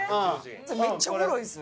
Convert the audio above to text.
めっちゃおもろいです。